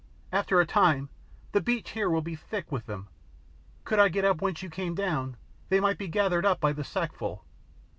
"After a time the beach here will be thick with them. Could I get up whence you came down, they might be gathered by the sackful.